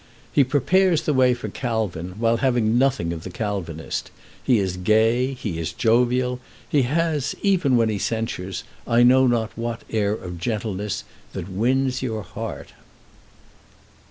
He prepares the way for Calvin, while having nothing of the Calvinist; he is gay, he is jovial; he has, even when he censures, I know not what air of gentleness that wins your heart."